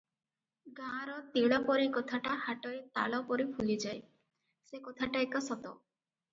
ଗାଁର ତିଳପରି କଥାଟା ହାଟରେ ତାଳପରି ଫୁଲିଯାଏ, ସେ କଥାଟା ଏକା ସତ ।